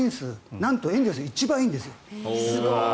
なんとエンゼルス一番いいんです。